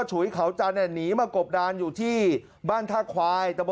ตอนนี้ก็ยิ่งแล้ว